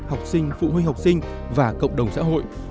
học sinh phụ huynh học sinh và cộng đồng xã hội